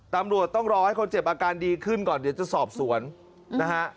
ตำรวจต้องรอให้คนเจ็บอาการดีขึ้นก่อนเดี๋ยวจะสอบสวนนะฮะ